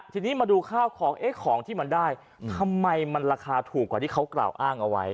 ทีนี้มาดูข้าวของเอ๊ะของที่มันได้ทำไมมันราคาถูกกว่าที่เขากล่าวอ้างเอาไว้